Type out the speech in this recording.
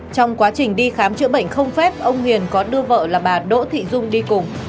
trong quá trình đi khám chữa bệnh không phép ông hiền có đưa vợ là bà đỗ thị dung đi cùng